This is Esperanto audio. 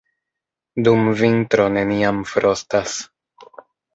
Dum vintro neniam frostas.